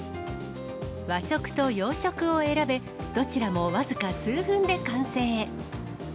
和食と洋食を選べ、どちらも僅か数分で完成。